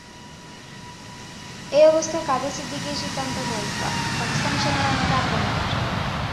এ অবস্থায় কাদের সিদ্দিকী সিদ্ধান্ত নেন, পাকিস্তানি সেনাবাহিনীকে আক্রমণের।